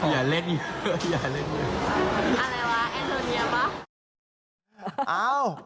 อะไรวะแอนโทเนียปะ